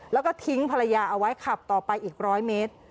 แล้วก็ทิ้งภรรยาเอาไว้ขับต่อไปอีก๑๐๐เมตร